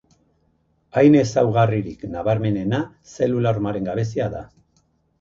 Haien ezaugarririk nabarmenena zelula hormaren gabezia da.